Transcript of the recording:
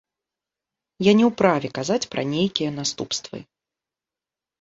Я не ў праве казаць пра нейкія наступствы.